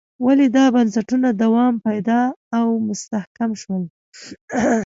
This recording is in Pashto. ولې دا بنسټونه دوام پیدا او مستحکم شول.